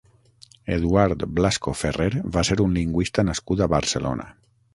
Eduard Blasco Ferrer va ser un lingüista nascut a Barcelona.